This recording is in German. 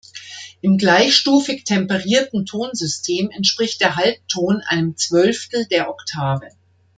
Im gleichstufig temperierten Tonsystem entspricht der Halbton einem Zwölftel der Oktave.